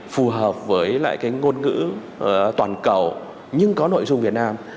phù hợp với lại cái ngôn ngữ toàn cầu nhưng có nội dung việt nam